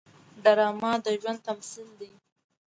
ډرامه د ژوند تمثیل دی